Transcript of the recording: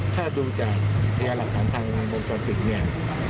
ถ้าดูจากพยาหลักฐานทางในวงจรปิดเนี่ย